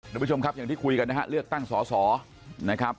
ทุกผู้ชมครับอย่างที่คุยกันนะฮะเลือกตั้งสอสอนะครับ